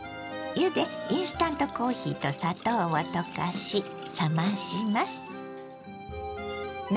湯でインスタントコーヒーと砂糖を溶かし冷まします。